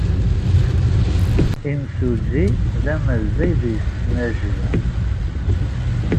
Imsujji d amazzay deg tesnajya.